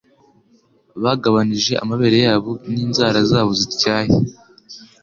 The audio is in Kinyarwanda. Bagabanije amabere yabo n'inzara zabo zityaye